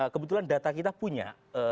kebetulan data kita punya